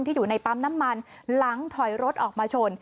อยู่ในปั๊มน้ำมันหลังถอยรถออกมาชน